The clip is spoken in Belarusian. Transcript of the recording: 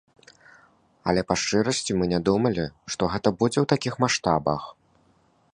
Але па шчырасці, мы не думалі, што гэта будзе ў такіх маштабах.